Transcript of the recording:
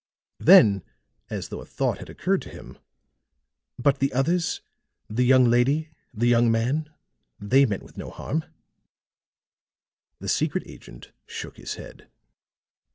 Then as though a thought had occurred to him. "But the others the young lady? the young man? They met with no harm?" The secret agent shook his head.